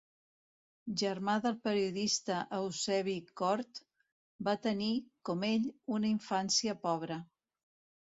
Germà del periodista Eusebi Cort, va tenir, com ell, una infància pobra.